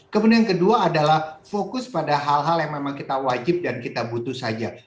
kemudian yang kedua adalah fokus pada hal hal yang memang kita wajib dan kita butuh saja